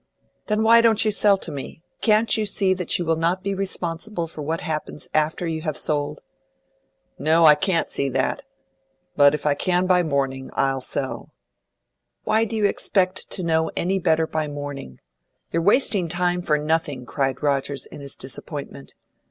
"Then why don't you sell to me? Can't you see that you will not be responsible for what happens after you have sold?" "No, I can't see that; but if I can by morning, I'll sell." "Why do you expect to know any better by morning? You're wasting time for nothing!" cried Rogers, in his disappointment.